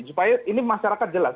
supaya ini masyarakat jelas